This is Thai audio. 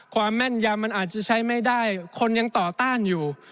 แม่นยำมันอาจจะใช้ไม่ได้คนยังต่อต้านอยู่